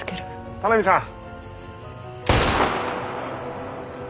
田波さん。